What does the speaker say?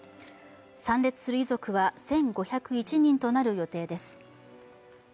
参列する遺族は１５０１人となる予定です。